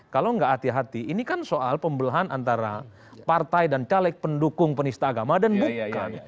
kalau nggak hati hati ini kan soal pembelahan antara partai dan caleg pendukung penista agama dan bukan